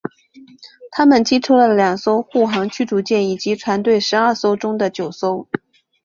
它们击沉了两艘护航驱逐舰以及船队十二艘中的九艘。